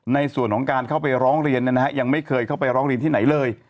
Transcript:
ในส่วนของการเข้าไปร้องเรียนยังไม่เคยเข้าไปร้องเรียนที่ไหนเลย